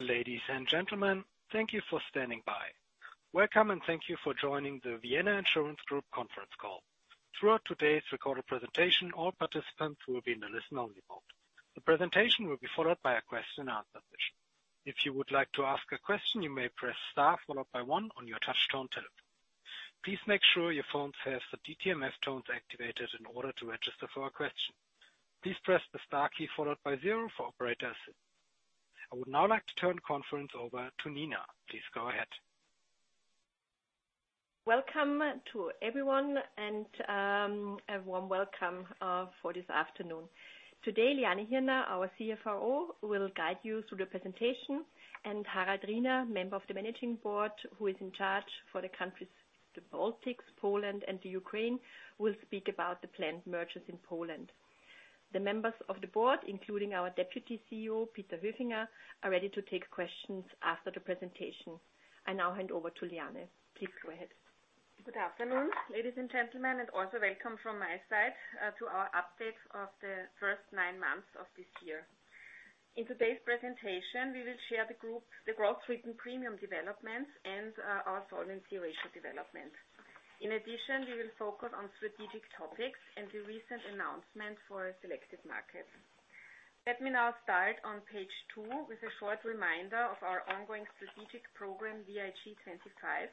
Ladies and gentlemen, thank you for standing by. Welcome, and thank you for joining the Vienna Insurance Group conference call. Throughout today's recorded presentation, all participants will be in a listen-only mode. The presentation will be followed by a question and answer session. If you would like to ask a question, you may press star followed by one on your touchtone telephone. Please make sure your phones have the DTMF tones activated in order to register for a question. Please press the star key followed by zero for operators. I would now like to turn the conference over to Nina. Please go ahead. Welcome to everyone, and a warm welcome for this afternoon. Today, Liane Hirner, our CFO, will guide you through the presentation, and Harald Riener, member of the Managing Board, who is in charge for the countries, the Baltics, Poland, and the Ukraine, will speak about the planned mergers in Poland. The members of the board, including our Deputy CEO, Peter Höfinger, are ready to take questions after the presentation. I now hand over to Liane. Please go ahead. Good afternoon, ladies and gentlemen, and also welcome from my side to our update of the first nine months of this year. In today's presentation, we will share the group's, the growth written premium developments and our solvency ratio development. In addition, we will focus on strategic topics and the recent announcement for selected markets. Let me now start on page 2 with a short reminder of our ongoing strategic program, VIG 25,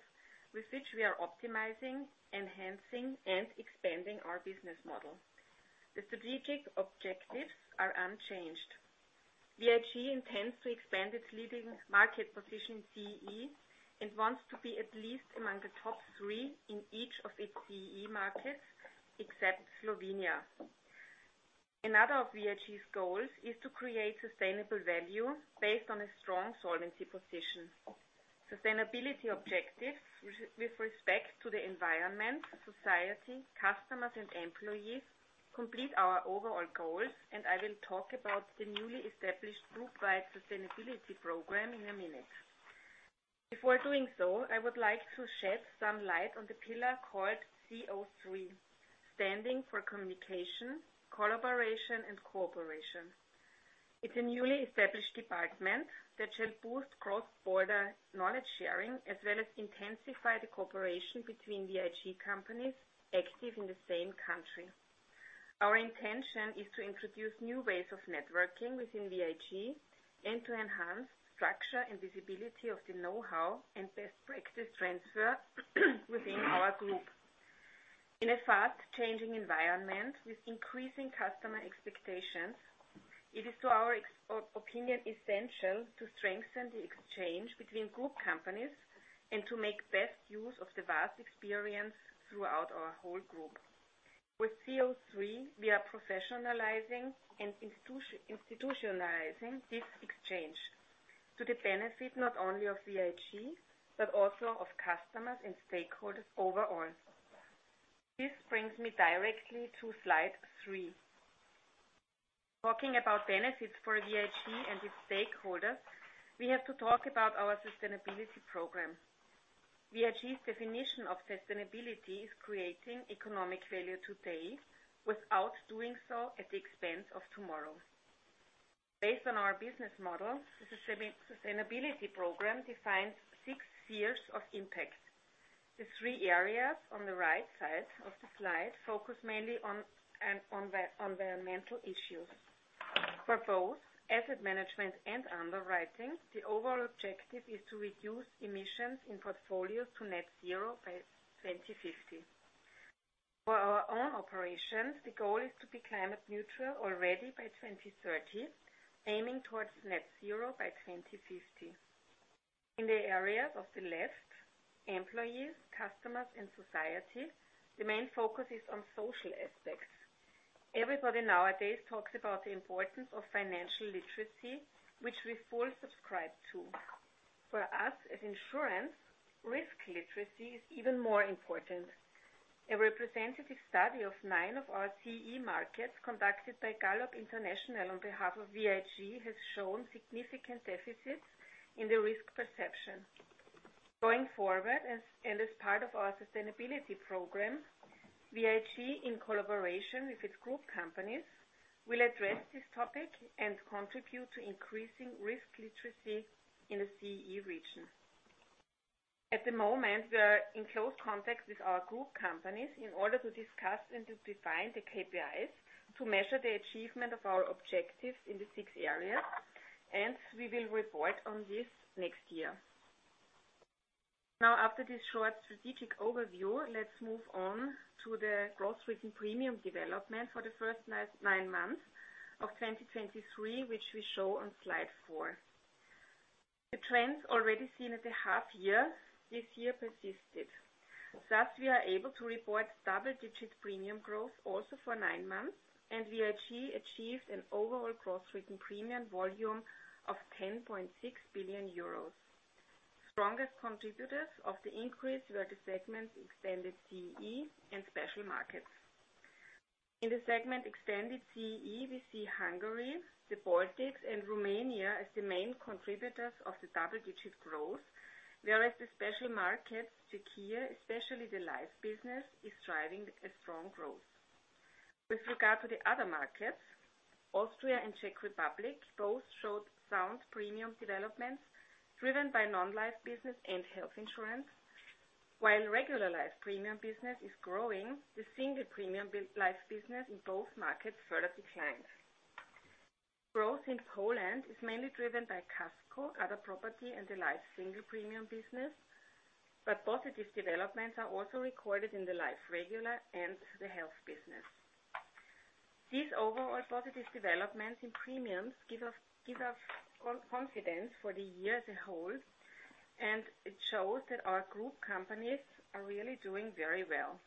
with which we are optimizing, enhancing, and expanding our business model. The strategic objectives are unchanged. VIG intends to expand its leading market position in CEE, and wants to be at least among the top three in each of its CEE markets, except Slovenia. Another of VIG's goals is to create sustainable value based on a strong solvency position. Sustainability objectives with respect to the environment, society, customers, and employees complete our overall goals, and I will talk about the newly established group-wide sustainability program in a minute. Before doing so, I would like to shed some light on the pillar called CO³, standing for communication, collaboration, and cooperation. It's a newly established department that shall boost cross-border knowledge sharing, as well as intensify the cooperation between VIG companies active in the same country. Our intention is to introduce new ways of networking within VIG and to enhance structure and visibility of the know-how and best practice transfer within our group. In a fast-changing environment with increasing customer expectations, it is, to our expert opinion, essential to strengthen the exchange between group companies and to make best use of the vast experience throughout our whole group. With CO³, we are professionalizing and institutionalizing this exchange to the benefit not only of VIG, but also of customers and stakeholders overall. This brings me directly to slide three. Talking about benefits for VIG and its stakeholders, we have to talk about our sustainability program. VIG's definition of sustainability is creating economic value today without doing so at the expense of tomorrow. Based on our business model, the sustainability program defines six spheres of impact. The three areas on the right side of the slide focus mainly on environmental issues. For both asset management and underwriting, the overall objective is to reduce emissions in portfolios to net zero by 2050. For our own operations, the goal is to be climate neutral already by 2030, aiming towards net zero by 2050. In the areas of the left, employees, customers, and society, the main focus is on social aspects. Everybody nowadays talks about the importance of financial literacy, which we fully subscribe to. For us, as insurance, risk literacy is even more important. A representative study of nine of our CEE markets, conducted by Gallup International on behalf of VIG, has shown significant deficits in the risk perception. Going forward, and as part of our sustainability program, VIG, in collaboration with its group companies, will address this topic and contribute to increasing risk literacy in the CEE region. At the moment, we are in close contact with our group companies in order to discuss and to define the KPIs to measure the achievement of our objectives in the six areas, and we will report on this next year. Now, after this short strategic overview, let's move on to the gross written premium development for the first nine months of 2023, which we show on slide 4. The trends already seen at the half year, this year persisted. Thus, we are able to report double-digit premium growth also for nine months, and VIG achieved an overall gross written premium volume of 10.6 billion euros. Strongest contributors of the increase were the segments Extended CEE and Special Markets. In the segment Extended CEE, we see Hungary, the Baltics, and Romania as the main contributors of the double-digit growth, whereas the Special Markets, Czechia, especially the life business, is driving a strong growth. With regard to the other markets, Austria and Czech Republic, both showed sound premium developments, driven by non-life business and health insurance. While regular life premium business is growing, the single premium life business in both markets further declined. Growth in Poland is mainly driven by Casco, other property, and the life single premium business, but positive developments are also recorded in the life regular and the health business. These overall positive developments in premiums give us confidence for the year as a whole, and it shows that our group companies are really doing very well.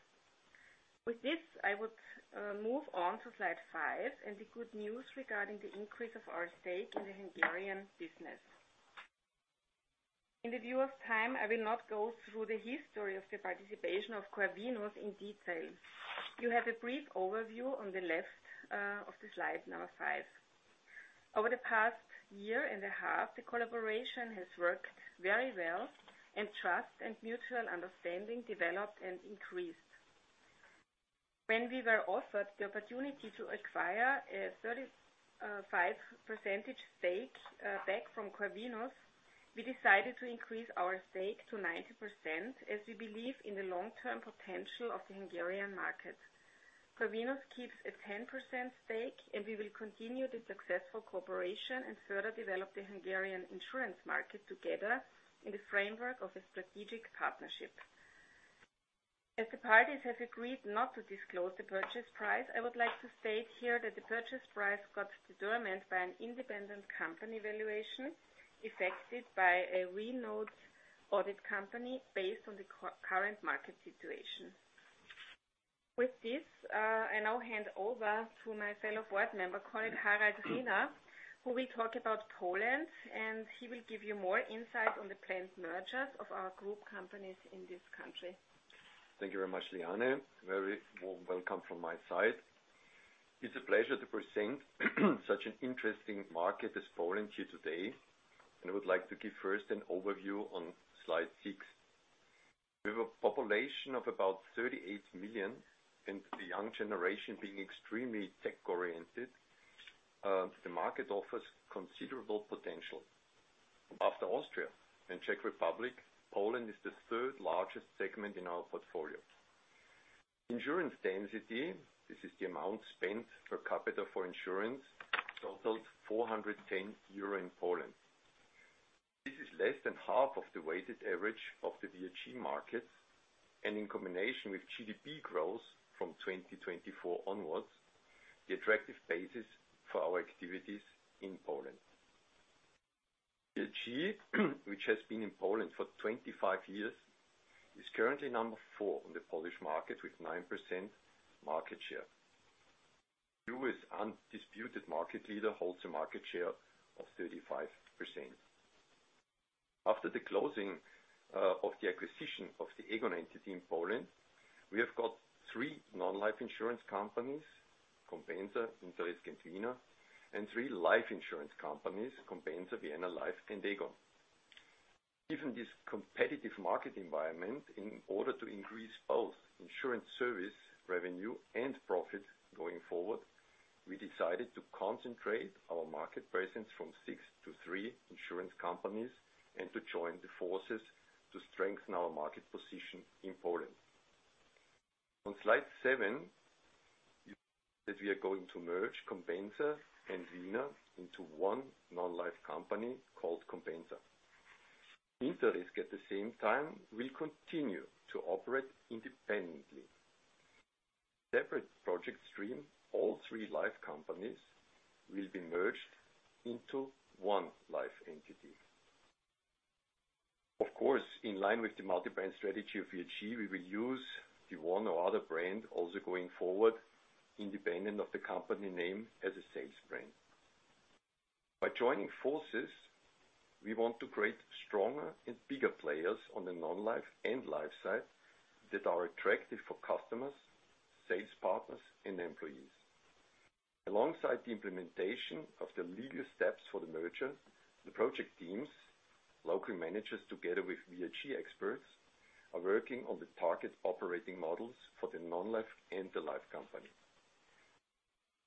With this, I would move on to slide five, and the good news regarding the increase of our stake in the Hungarian business. In the view of time, I will not go through the history of the participation of Corvinus in detail. You have a brief overview on the left of the slide number five. Over the past year and a half, the collaboration has worked very well, and trust and mutual understanding developed and increased. When we were offered the opportunity to acquire a 35% stake back from Corvinus, we decided to increase our stake to 90%, as we believe in the long-term potential of the Hungarian market. Corvinus keeps a 10% stake, and we will continue the successful cooperation and further develop the Hungarian insurance market together in the framework of a strategic partnership. As the parties have agreed not to disclose the purchase price, I would like to state here that the purchase price got determined by an independent company valuation, effected by a renowned audit company based on the current market situation. With this, I now hand over to my fellow board member, colleague, Harald Riener, who will talk about Poland, and he will give you more insight on the planned mergers of our group companies in this country. Thank you very much, Liane. Very warm welcome from my side. It's a pleasure to present such an interesting market as Poland here today, and I would like to give first an overview on slide 6. We have a population of about 38 million, and the young generation being extremely tech-oriented, the market offers considerable potential. After Austria and Czech Republic, Poland is the third largest segment in our portfolio. Insurance density, this is the amount spent per capita for insurance, totals 410 euro in Poland. This is less than half of the weighted average of the VIG market, and in combination with GDP growth from 2024 onwards, the attractive basis for our activities in Poland. VIG, which has been in Poland for 25 years, is currently number four on the Polish market, with 9% market share. PZU is undisputed market leader, holds a market share of 35%. After the closing of the acquisition of the Aegon entity in Poland, we have got three non-life insurance companies, Compensa, InterRisk, and Wiener, and three life insurance companies, Compensa, Vienna Life, and Aegon. Given this competitive market environment, in order to increase both insurance service revenue and profit going forward, we decided to concentrate our market presence from 6 to 3 insurance companies and to join the forces to strengthen our market position in Poland. On slide 7, that we are going to merge Compensa and Wiener into one non-life company called Compensa. InterRisk, at the same time, will continue to operate independently. Separate project stream, all three life companies will be merged into one life entity. Of course, in line with the multi-brand strategy of VIG, we will use the one or other brand also going forward, independent of the company name, as a sales brand. By joining forces, we want to create stronger and bigger players on the non-life and life side that are attractive for customers, sales partners, and employees. Alongside the implementation of the legal steps for the merger, the project teams, local managers, together with VIG experts, are working on the target operating models for the non-life and the life company.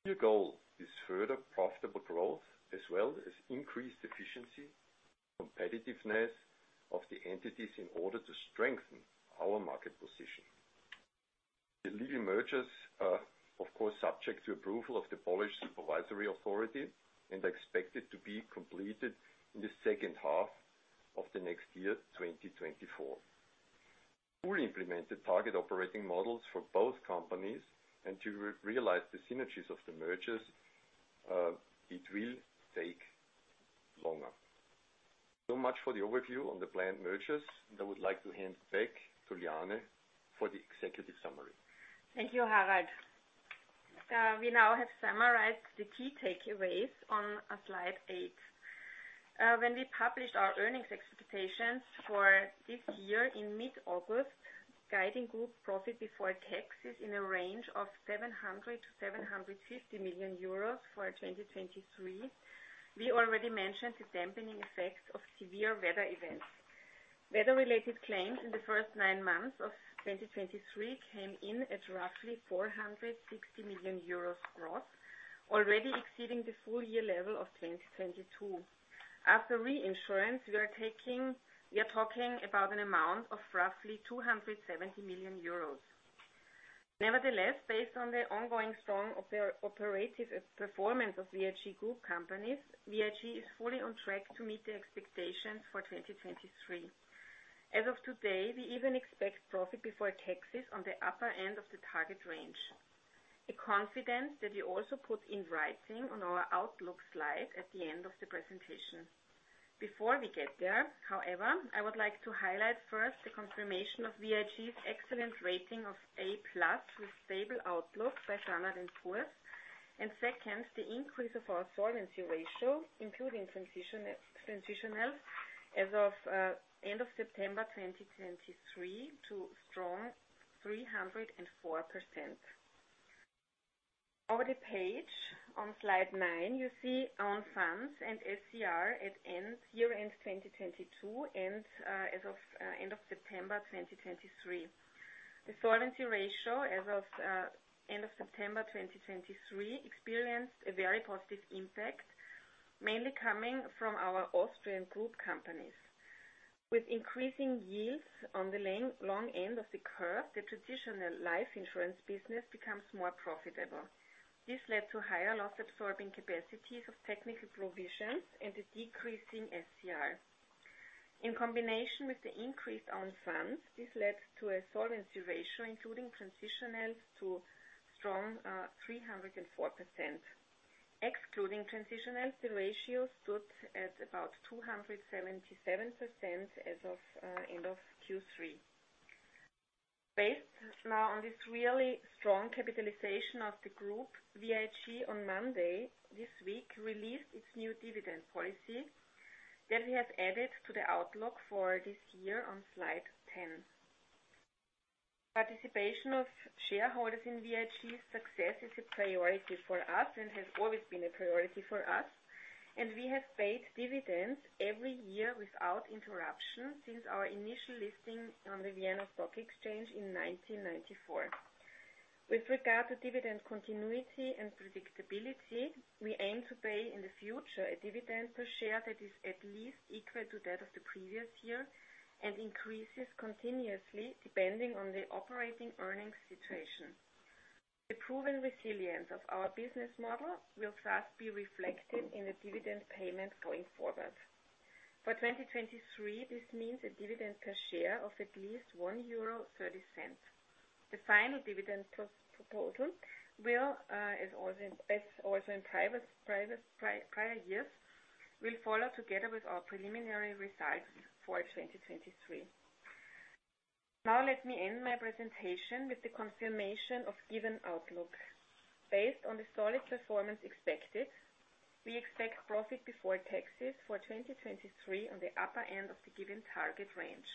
The goal is further profitable growth as well as increased efficiency, competitiveness of the entities in order to strengthen our market position. The leading mergers are, of course, subject to approval of the Polish supervisory authority and are expected to be completed in the second half of the next year, 2024. Fully implemented target operating models for both companies and to re-realize the synergies of the mergers, it will take longer. So much for the overview on the planned mergers. I would like to hand back to Liane for the executive summary. Thank you, Harald. We now have summarized the key takeaways on slide 8. When we published our earnings expectations for this year in mid-August, guiding group profit before taxes in a range of 700 million-750 million euros for 2023, we already mentioned the dampening effects of severe weather events. Weather-related claims in the first 9 months of 2023 came in at roughly 460 million euros gross, already exceeding the full year level of 2022. After reinsurance, we are taking, we are talking about an amount of roughly 270 million euros. Nevertheless, based on the ongoing strong operative performance of VIG Group companies, VIG is fully on track to meet the expectations for 2023. As of today, we even expect profit before taxes on the upper end of the target range. A confidence that we also put in writing on our outlook slide at the end of the presentation. Before we get there, however, I would like to highlight first, the confirmation of VIG's excellent rating of A+ with stable outlook by Standard & Poor's. And second, the increase of our solvency ratio, including transitionals, as of end of September 2023, to strong 304%. Over the page, on slide 9, you see own funds and SCR at end year-end 2022, and as of end of September 2023. The solvency ratio as of end of September 2023 experienced a very positive impact, mainly coming from our Austrian group companies. With increasing yields on the long end of the curve, the traditional life insurance business becomes more profitable. This led to higher loss-absorbing capacities of technical provisions and a decreasing SCR. In combination with the increase on funds, this led to a solvency ratio, including transitionals, to strong 304%. Excluding transitionals, the ratio stood at about 277% as of end of Q3. Based now on this really strong capitalization of the group, VIG on Monday, this week, released its new dividend policy that we have added to the outlook for this year on slide 10. Participation of shareholders in VIG's success is a priority for us and has always been a priority for us, and we have paid dividends every year without interruption since our initial listing on the Vienna Stock Exchange in 1994. With regard to dividend continuity and predictability, we aim to pay in the future a dividend per share that is at least equal to that of the previous year and increases continuously depending on the operating earnings situation. The proven resilience of our business model will thus be reflected in the dividend payment going forward. For 2023, this means a dividend per share of at least 1.30 euro. The final dividend proposal will, as also in prior years, follow together with our preliminary results for 2023. Now let me end my presentation with the confirmation of given outlook. Based on the solid performance expected, we expect profit before taxes for 2023 on the upper end of the given target range.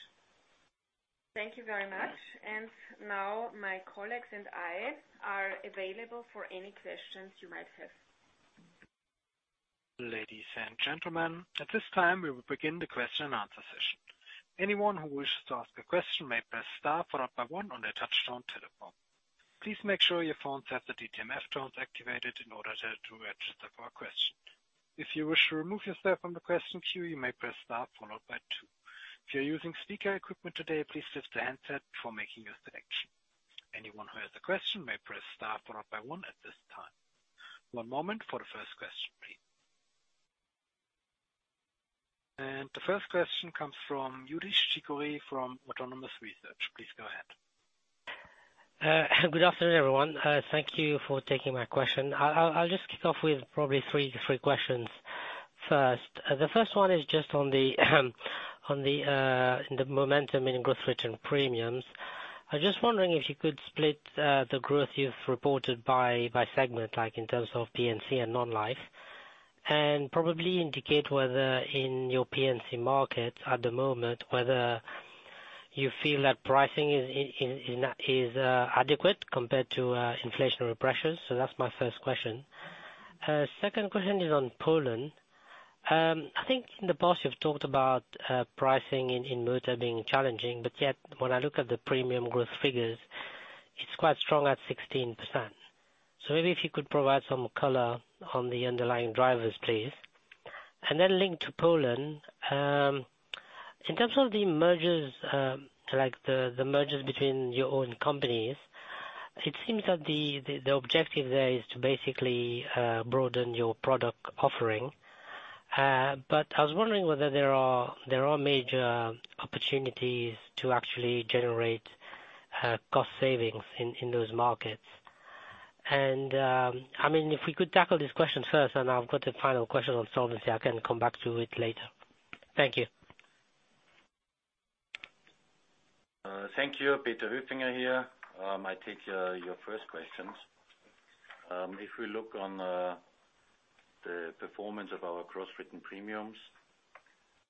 Thank you very much, and now my colleagues and I are available for any questions you might have. Ladies and gentlemen, at this time, we will begin the question and answer session. Anyone who wishes to ask a question may press star followed by one on their touchtone telephone. Please make sure your phone sets the DTMF tones activated in order to register for a question. If you wish to remove yourself from the question queue, you may press star followed by two. If you're using speaker equipment today, please lift the handset before making a selection. Anyone who has a question may press star followed by one at this time. One moment for the first question, please. The first question comes from Youdish Chicooree from Autonomous Research. Please go ahead. Good afternoon, everyone. Thank you for taking my question. I'll just kick off with probably three questions first. The first one is just on the momentum in growth written premiums. I'm just wondering if you could split the growth you've reported by segment, like, in terms of P&C and non-life. And probably indicate whether in your P&C market at the moment, whether you feel that pricing is adequate compared to inflationary pressures. So that's my first question. Second question is on Poland. I think in the past you've talked about pricing in motor being challenging, but yet when I look at the premium growth figures, it's quite strong at 16%. So maybe if you could provide some color on the underlying drivers, please. And then, linked to Poland, in terms of the mergers, like the objective there is to basically broaden your product offering. But I was wondering whether there are major opportunities to actually generate cost savings in those markets. I mean, if we could tackle this question first, and I've got a final question on solvency, I can come back to it later. Thank you. Thank you, Peter Höfinger here. I take your first questions. If we look on the performance of our gross written premiums,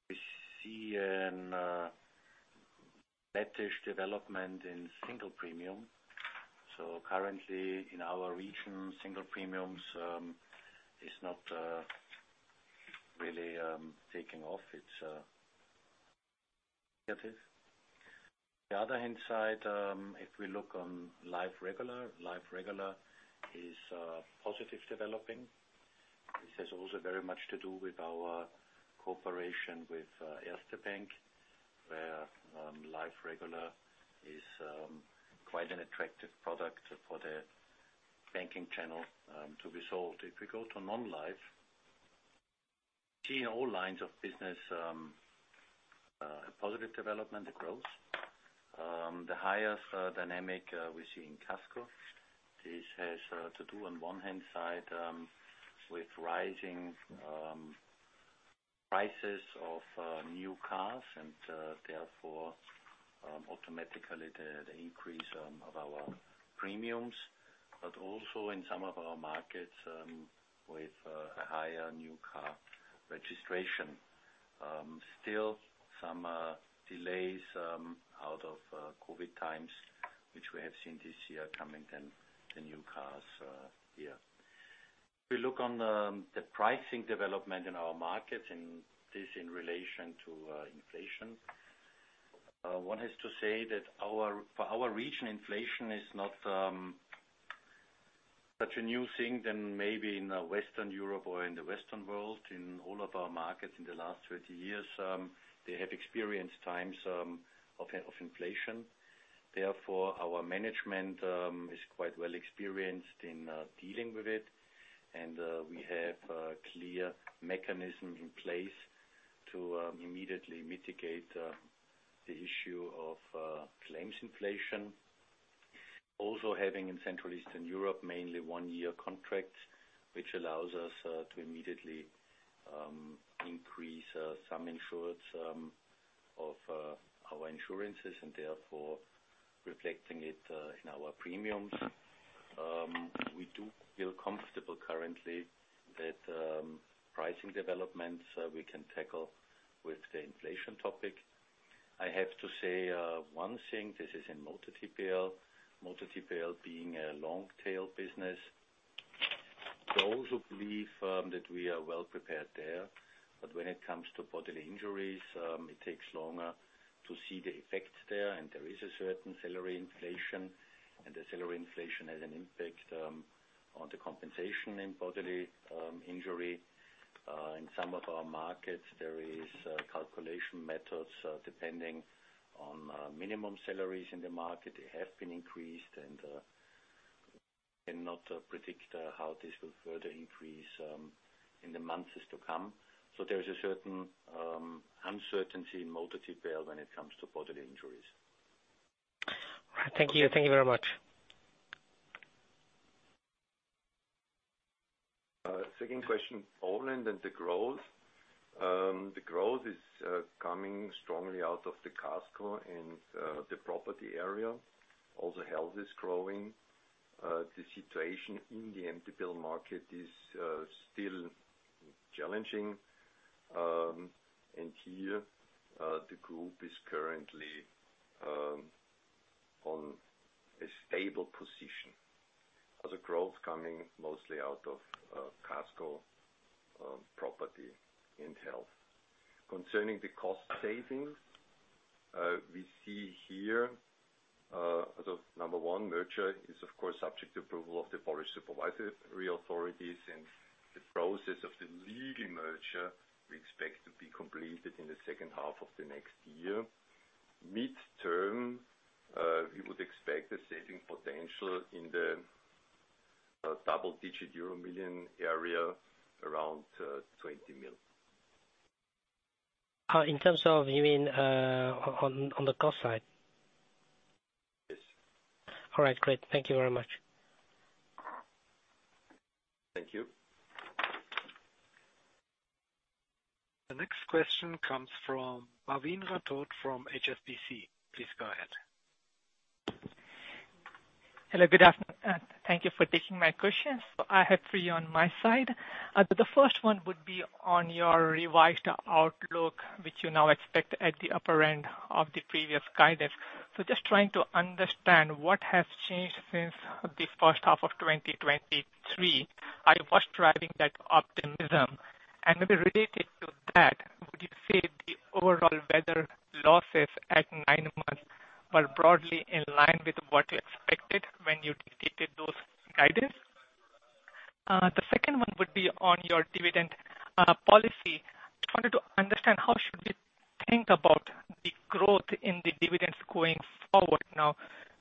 we see a bearish development in single premium. So currently in our region, single premiums is not really taking off. It's negative. The other hand side, if we look on life regular, life regular is positive developing. This has also very much to do with our cooperation with Erste Bank, where life regular is quite an attractive product for the banking channel to be sold. If we go to non-life, we see in all lines of business a positive development, a growth. The highest dynamic we see in Casco. This has to do on one hand side with rising prices of new cars, and therefore automatically the increase of our premiums, but also in some of our markets with a higher new car registration. Still some delays out of COVID times, which we have seen this year coming in the new cars year. If we look on the pricing development in our markets, and this in relation to inflation, one has to say that our for our region, inflation is not such a new thing than maybe in Western Europe or in the Western world. In all of our markets in the last 30 years, they have experienced times of inflation. Therefore, our management is quite well experienced in dealing with it. We have clear mechanisms in place to immediately mitigate the issue of claims inflation. Also, having in Central Eastern Europe, mainly one-year contracts, which allows us to immediately increase sum insureds of our insurances, and therefore reflecting it in our premiums. We do feel comfortable currently that pricing developments we can tackle with the inflation topic. I have to say one thing, this is in Motor TPL, Motor TPL being a long tail business. So also believe that we are well prepared there, but when it comes to bodily injuries, it takes longer to see the effects there, and there is a certain salary inflation, and the salary inflation has an impact on the compensation in bodily injury. In some of our markets, there is calculation methods depending on minimum salaries in the market. They have been increased and we cannot predict how this will further increase in the months to come. So there is a certain uncertainty in Motor TPL when it comes to bodily injuries. Thank you. Thank you very much. Second question, Poland and the growth. The growth is coming strongly out of the Casco and the property area. Also, health is growing. The situation in the MTPL market is still challenging. And here, the group is currently on a stable position. So the growth coming mostly out of Casco, property and health. Concerning the cost savings, we see here, so number one, merger is, of course, subject to approval of the Polish supervisory authorities. And the process of the legal merger, we expect to be completed in the second half of the next year. Midterm, we would expect a saving potential in the double-digit euro million area, around 20 million. In terms of, you mean, on the cost side? Yes. All right, great. Thank you very much. Thank you. The next question comes from Bhavin Rathod from HSBC. Please go ahead. Hello, good afternoon, and thank you for taking my questions. I have 3 on my side. The first one would be on your revised outlook, which you now expect at the upper end of the previous guidance. So just trying to understand what has changed since the first half of 2023, and what's driving that optimism? And then related to that, would you say the overall weather losses at 9 months were broadly in line with what you expected when you dictated those guidance? The second one would be on your dividend policy. I wanted to understand, how should we think about the growth in the dividends going forward now?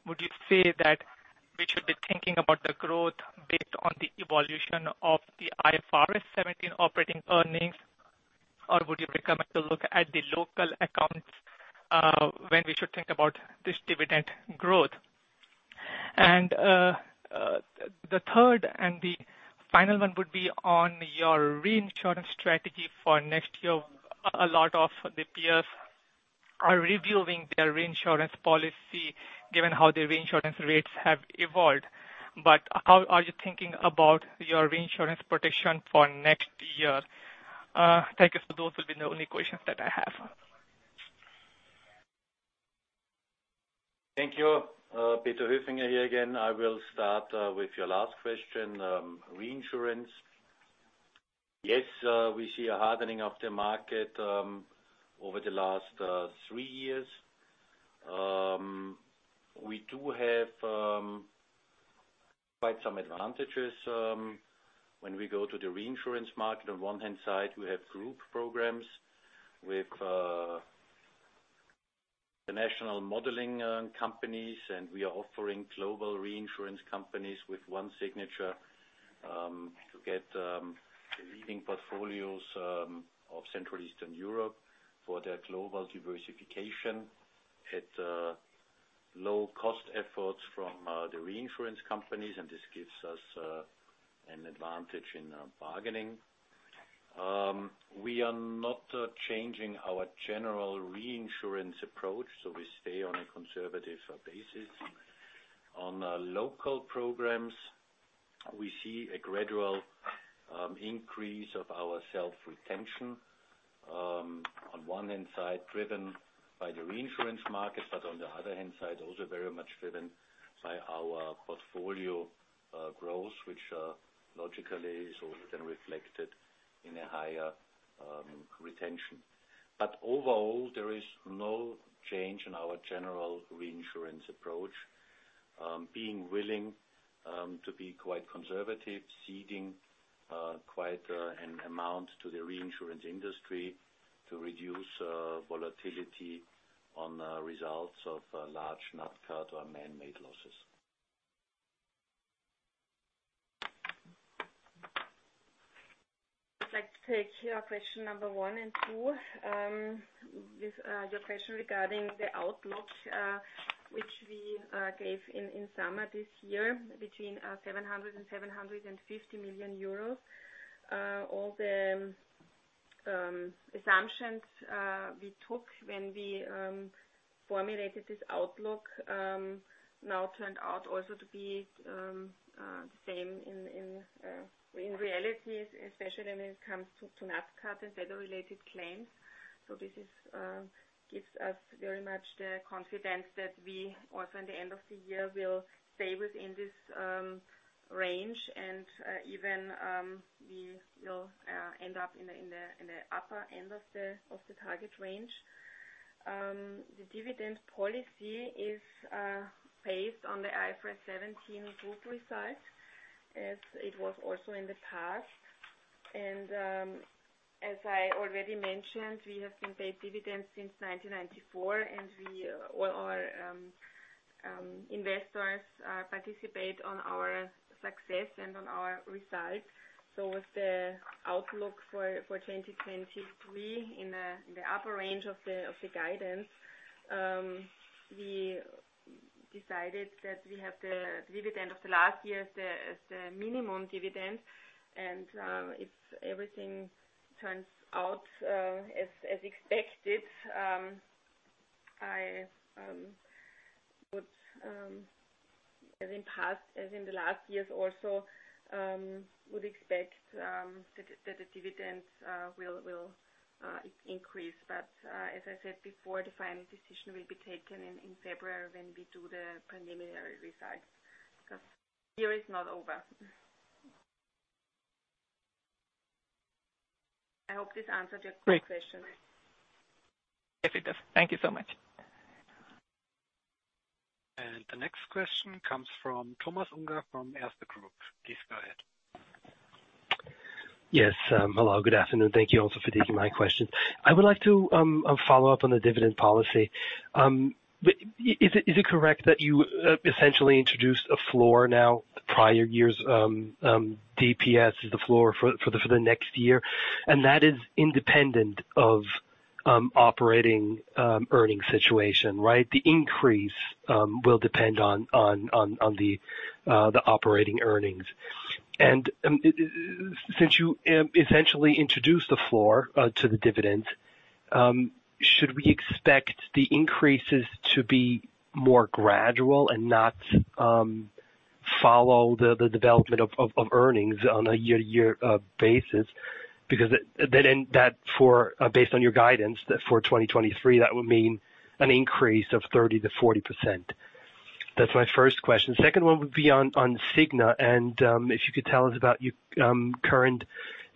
Would you say that we should be thinking about the growth based on the evolution of the IFRS 17 operating earnings, or would you recommend to look at the local accounts, when we should think about this dividend growth? The third and the final one would be on your reinsurance strategy for next year. A lot of the peers are reviewing their reinsurance policy, given how the reinsurance rates have evolved. But how are you thinking about your reinsurance protection for next year? Thank you, so those will be the only questions that I have. Thank you. Peter Höfinger here again. I will start with your last question, reinsurance. Yes, we see a hardening of the market over the last three years. We do have quite some advantages when we go to the reinsurance market. On one hand side, we have group programs with the national modeling companies, and we are offering global reinsurance companies with one signature to get the leading portfolios of Central Eastern Europe for their global diversification at low cost efforts from the reinsurance companies, and this gives us an advantage in bargaining. We are not changing our general reinsurance approach, so we stay on a conservative basis. On local programs, we see a gradual increase of our self-retention. On one hand side, driven by the reinsurance market, but on the other hand side, also very much driven by our portfolio growth, which logically is also then reflected in a higher retention. But overall, there is no change in our general reinsurance approach. Being willing to be quite conservative, ceding quite an amount to the reinsurance industry to reduce volatility on results of large nat cat or man-made losses. I'd like to take your question number one and two. With your question regarding the outlook, which we gave in summer this year, between 700 million euros and 750 million euros. All the assumptions we took when we formulated this outlook now turned out also to be the same in reality, especially when it comes to nat cat and weather-related claims. So this gives us very much the confidence that we also, in the end of the year, will stay within this range, and even we will end up in the upper end of the target range. The dividend policy is based on the IFRS 17 group results, as it was also in the past. As I already mentioned, we have been paid dividends since 1994, and we, all our, investors, participate on our success and on our results. So with the outlook for 2023, in the upper range of the guidance, we decided that we have the dividend of the last year as the minimum dividend. And if everything turns out as expected, I would, as in past, as in the last years also, would expect that the dividends will increase. But as I said before, the final decision will be taken in February when we do the preliminary results, because the year is not over. I hope this answered your quick question. Yes, it does. Thank you so much. The next question comes from Thomas Unger, from Erste Group. Please go ahead. Yes. Hello, good afternoon. Thank you also for taking my question. I would like to follow up on the dividend policy. Is it correct that you essentially introduced a floor now, the prior year's DPS is the floor for the next year, and that is independent of operating earnings situation, right? The increase will depend on the operating earnings. Since you essentially introduced the floor to the dividend, should we expect the increases to be more gradual and not follow the development of earnings on a year-to-year basis? Because, based on your guidance, that for 2023, that would mean an increase of 30%-40%. That's my first question. Second one would be on Signa, and if you could tell us about your current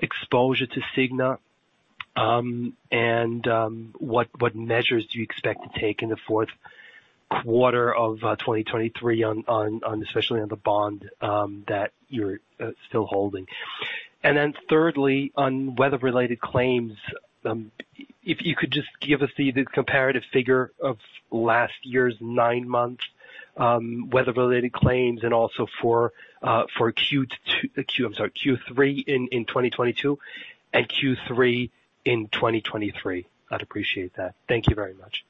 exposure to Signa, and what measures do you expect to take in the Q4 of 2023 especially on the bond that you're still holding? And then thirdly, on weather-related claims, if you could just give us the comparative figure of last year's nine months weather-related claims, and also for Q3 in 2022 and Q3 in 2023. I'd appreciate that. Thank you very much.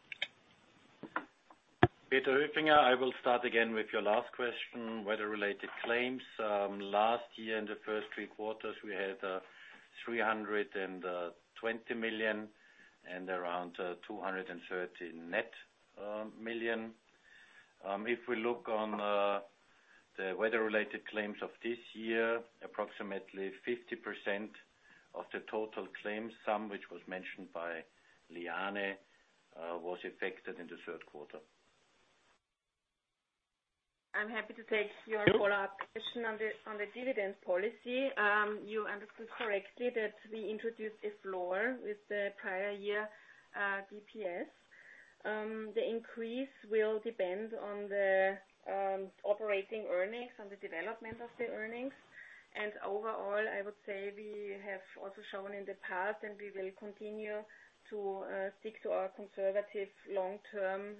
Peter Höfinger, I will start again with your last question, weather-related claims. Last year, in the first three quarters, we had 320 million and around 230 million net. If we look on the weather-related claims of this year, approximately 50% of the total claim sum, which was mentioned by Liane, was affected in the Q3. I'm happy to take your follow-up question on the dividend policy. You understood correctly that we introduced a floor with the prior year BPS. The increase will depend on the operating earnings, on the development of the earnings. Overall, I would say we have also shown in the past, and we will continue to stick to our conservative long-term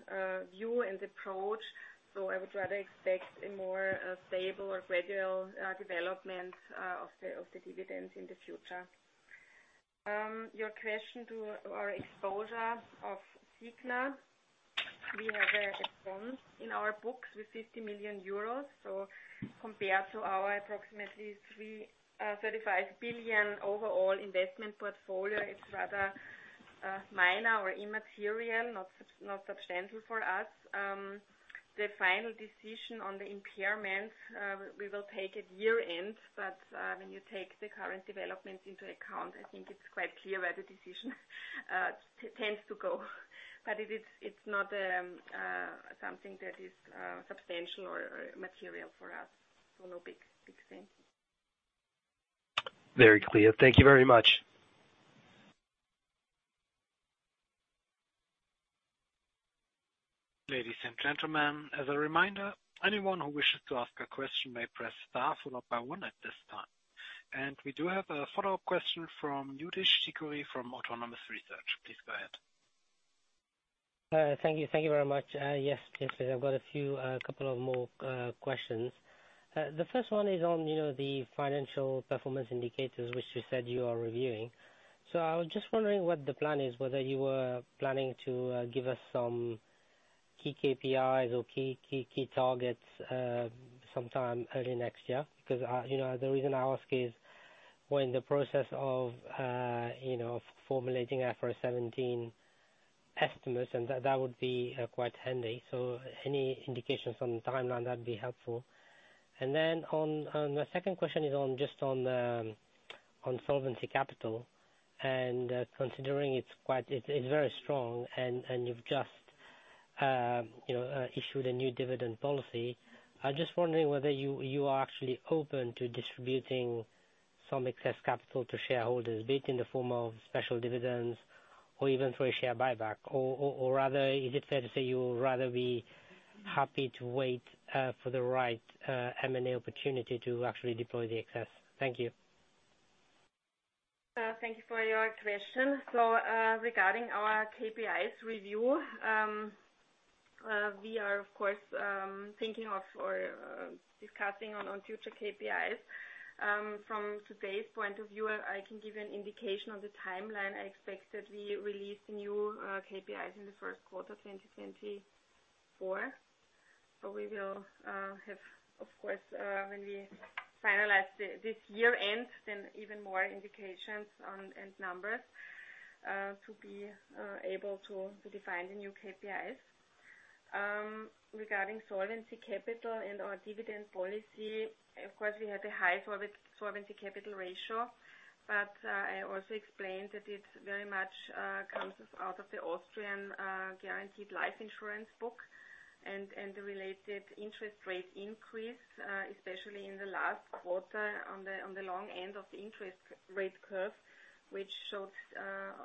view and approach. I would rather expect a more stable or gradual development of the dividends in the future. Your question to our exposure of Signa, we have a bond in our books with 50 million euros. So compared to our approximately 3.35 billion overall investment portfolio, it's rather minor or immaterial, not substantial for us. The final decision on the impairment, we will take at year-end, but when you take the current developments into account, I think it's quite clear where the decision tends to go. But it is, it's not something that is substantial or material for us. So no big, big thing. Very clear. Thank you very much. Ladies and gentlemen, as a reminder, anyone who wishes to ask a question may press star followed by one at this time. We do have a follow-up question from Youdish Chicooree from Autonomous Research. Please go ahead. Thank you. Thank you very much. Yes, yes, I've got a few, couple of more questions. The first one is on, you know, the financial performance indicators, which you said you are reviewing. So I was just wondering what the plan is, whether you were planning to give us some key KPIs or key targets sometime early next year? Because, you know, the reason I ask is when the process of, you know, formulating IFRS 17 estimates, and that would be quite handy. So any indications on the timeline, that'd be helpful. And then the second question is on just on solvency capital, and considering it's very strong, and you've just, you know, issued a new dividend policy. I'm just wondering whether you, you are actually open to distributing some excess capital to shareholders, be it in the form of special dividends or even through a share buyback? Or, or, or rather, is it fair to say you would rather be happy to wait for the right M&A opportunity to actually deploy the excess? Thank you. Thank you for your question. So, regarding our KPIs review, we are, of course, thinking of or discussing on, on future KPIs. From today's point of view, I can give you an indication on the timeline. I expect that we release new KPIs in the Q1, 2024. So we will have, of course, when we finalize this year-end, then even more indications on, and numbers to be able to define the new KPIs. Regarding solvency capital and our dividend policy, of course, we have a high solvency capital ratio, but I also explained that it very much comes out of the Austrian guaranteed life insurance book and the related interest rate increase, especially in the last quarter on the long end of the interest rate curve, which showed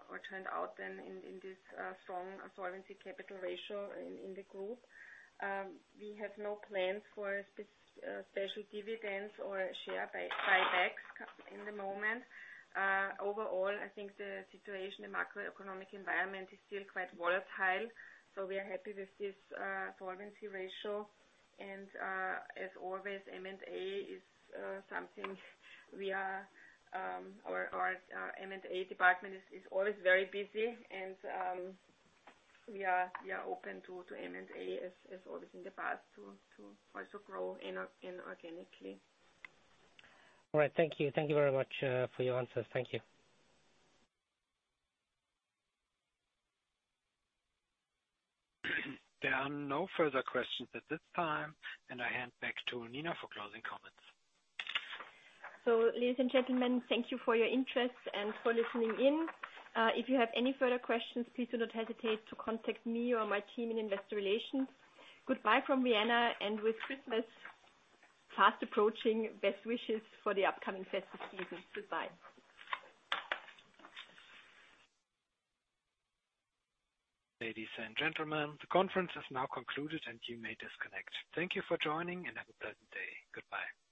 or turned out in this strong solvency capital ratio in the group. We have no plans for a special dividends or share buybacks in the moment. Overall, I think the situation, the macroeconomic environment, is still quite volatile, so we are happy with this solvency ratio. And, as always, M&A is something we are... Our M&A department is always very busy, and we are open to M&A as always in the past to also grow inorganically. All right. Thank you. Thank you very much, for your answers. Thank you. There are no further questions at this time, and I hand back to Nina for closing comments. So ladies and gentlemen, thank you for your interest and for listening in. If you have any further questions, please do not hesitate to contact me or my team in Investor Relations. Goodbye from Vienna, and with Christmas fast approaching, best wishes for the upcoming festive season. Goodbye. Ladies and gentlemen, the conference is now concluded, and you may disconnect. Thank you for joining, and have a pleasant day. Goodbye.